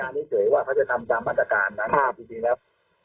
การพิเศษว่าเขาจะทำตามบรรษาการนั้นภาพจริงครับ